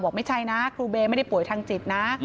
ไม่ใช่นะครูเบย์ไม่ได้ป่วยทางจิตนะ